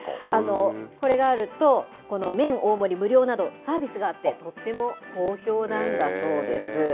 これがあると、この麺大盛り無料など、サービスがあって、とっても好評なんだそうです。